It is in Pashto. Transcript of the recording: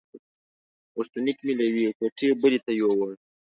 غوښتنلیک مې له یوې کوټې بلې ته یووړ.